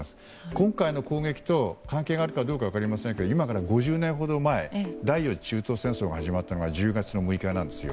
今回の攻撃と関係があるのかどうかは分かりませんが今から５０年ほど前第４次中東戦争が始まったのが１０月６日なんですよ。